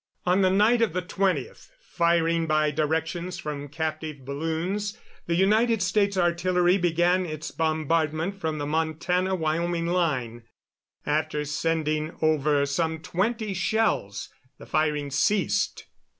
On the night of the 20th, firing by directions from captive balloons, the United States artillery began its bombardment from the Montana Wyoming line. After sending over some twenty shells, the firing ceased.